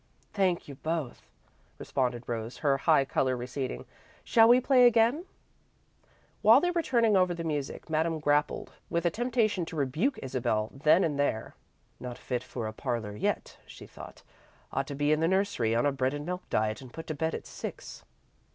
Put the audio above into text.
"Thank you both," responded Rose, her high colour receding. "Shall we play again?" While they were turning over the music Madame grappled with a temptation to rebuke Isabel then and there. "Not fit for a parlour yet," she thought. "Ought to be in the nursery on a bread and milk diet and put to bed at six."